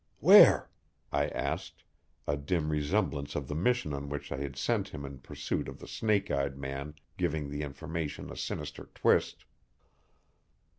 "Where?" I asked, a dim remembrance of the mission on which I had sent him in pursuit of the snake eyed man giving the information a sinister twist.